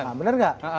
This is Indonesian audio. nah bener gak